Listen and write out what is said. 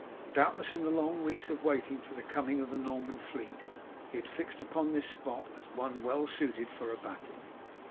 Doubtless in the long weeks of waiting for the coming of the Norman fleet he had fixed upon this spot as one well suited for a battle.